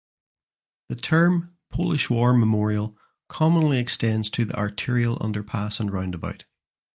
The term "Polish War Memorial" commonly extends to the arterial underpass and roundabout.